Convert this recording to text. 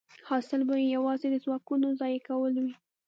حاصل به یې یوازې د ځواکونو ضایع کول وي